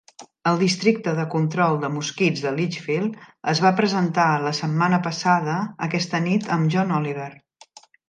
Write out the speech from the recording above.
El districte de control de mosquits de Litchfield es va presentar a La setmana passada aquesta nit amb John Oliver.